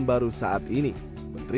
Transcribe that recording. tetapi juga penerbangan yang terjadi di kondisi